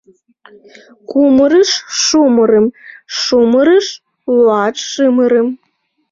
Кумырыш — шымырым, шымырыш — луатшымырым.